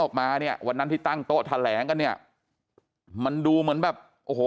ออกมาเนี่ยวันนั้นที่ตั้งโต๊ะแถลงกันเนี่ยมันดูเหมือนแบบโอ้โห